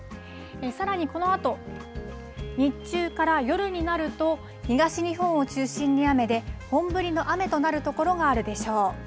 さらにこのあと、日中から夜になると、東日本を中心に雨で、本降りの雨となる所があるでしょう。